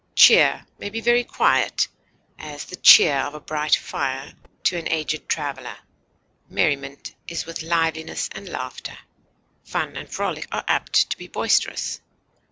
Cheer may be very quiet, as the cheer of a bright fire to an aged traveler; merriment is with liveliness and laughter; fun and frolic are apt to be boisterous.